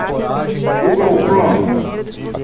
google chrome